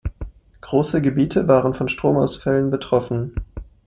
Große Gebiete waren von Stromausfällen betroffen.